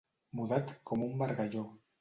Mudat com un margalló.